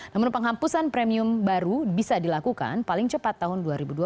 namun penghapusan premium baru bisa dilakukan paling cepat tahun dua ribu dua puluh